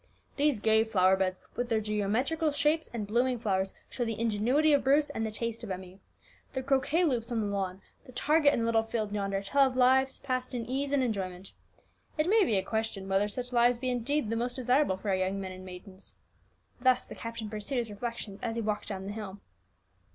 "These gay flower beds, with their geometrical shapes and blooming flowers, show the ingenuity of Bruce and the taste of Emmie. The croquet loops on the lawn, the target in the little field yonder, tell of lives passed in ease and enjoyment. It may be a question whether such lives be indeed the most desirable for our young men and maidens," thus the captain pursued his reflections as he walked down the hill.